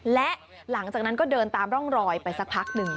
และหลังจากนั้นก็เดินตามร่องรอยไปสักพักหนึ่ง